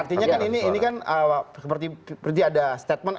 artinya kan ini kan seperti ada statement